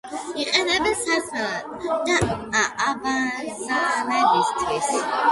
იყენებენ სასმელად და აბაზანებისთვის.